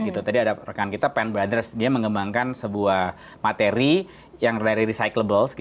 tadi ada rekan kita pan brothers dia mengembangkan sebuah materi yang dari recyclable